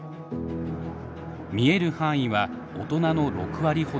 見える範囲は大人の６割ほど。